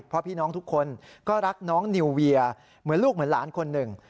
เพราะพี่น้องทุกคนก็รักน้องนิวเวียเหมือนลูกเหมือนหลานคนหนึ่ง